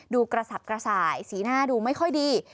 กระสับกระส่ายสีหน้าดูไม่ค่อยดี